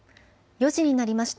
４時になりました。